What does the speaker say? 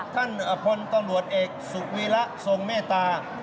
ท่านพลตำรวจเอกสุวีระทรงเมตตา